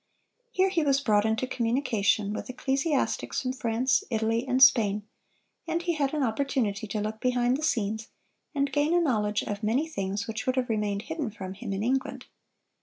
Here he was brought into communication with ecclesiastics from France, Italy, and Spain, and he had an opportunity to look behind the scenes, and gain a knowledge of many things which would have remained hidden from him in England.